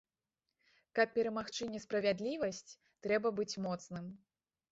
Каб перамагчы несправядлівасць, трэба быць моцным.